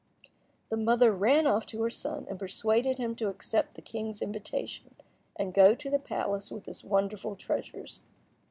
The mother ran off to her son, and persuaded him to accept the king's invitation, and go to the palace with his wonderful treasures.